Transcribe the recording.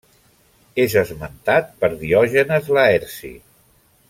És esmentat per Diògenes Laerci.